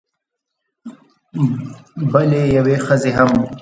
بلې یوې ښځې هم